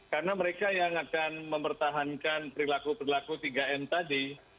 karena mereka yang akan mempertahankan perilaku perilaku tiga m tadi